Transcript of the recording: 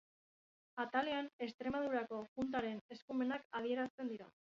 Atalean Extremadurako Juntaren eskumenak adierazten dira.